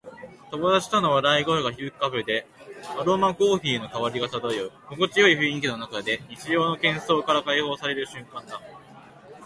友達との笑い声が響くカフェで、アロマコーヒーの香りが漂う。心地よい雰囲気の中で、日常の喧騒から解放される瞬間だ。